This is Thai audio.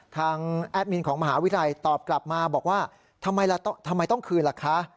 แอดมินของมหาวิทยาลัยตอบกลับมาบอกว่าทำไมล่ะทำไมต้องคืนล่ะคะ